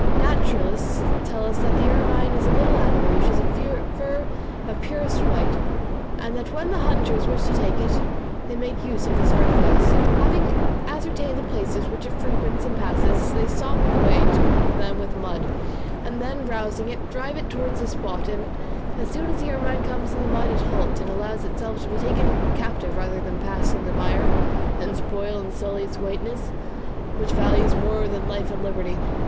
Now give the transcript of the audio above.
Naturalists tell us that the ermine is a little animal which has a fur of purest white, and that when the hunters wish to take it, they make use of this artifice. Having ascertained the places which it frequents and passes, they stop the way to them with mud, and then rousing it, drive it towards the spot, and as soon as the ermine comes to the mud it halts, and allows itself to be taken captive rather than pass through the mire, and spoil and sully its whiteness, which it values more than life and liberty.